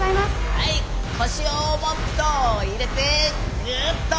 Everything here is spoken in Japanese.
はい腰をもっと入れてグーっと！